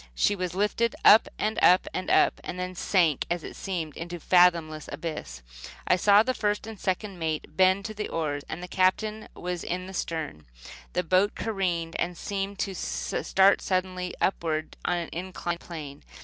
She was lifted up, and up, and up, and then sank, it seemed, into a fathomless abyss. I saw the first and second mate bend to the oars. The Captain was in the stern. The boat careened and seemed to start suddenly upward on an inclined plane.